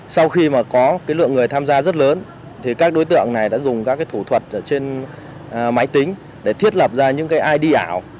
sau khi có lượng người tham gia rất lớn các đối tượng này đã dùng các thủ thuật trên máy tính để thiết lập ra những id ảo